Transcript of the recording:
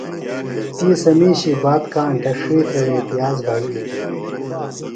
تی سےۡ مِیشی بات کاݨ تھےۡ ڇِھیترہ وے پِیاز بھئیتیۡ۔